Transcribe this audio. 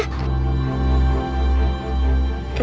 buat apa hantu peril